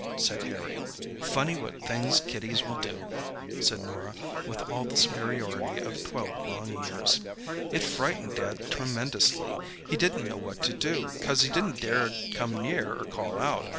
said Harry. "Funny what things kiddies will do!" said Norah, with all the superiority of twelve long years. "It frightened Dad tremendously. He didn't know what to do, 'cause he didn't dare come near or call out.